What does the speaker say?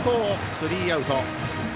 スリーアウト。